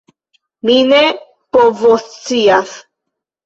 Mi ne povoscias!